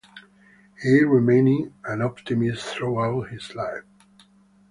He remained an optimist throughout his life.